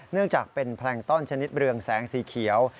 เนื่องจากเป็นแพลงต้อนชนิดเรืองแสงสีเขียว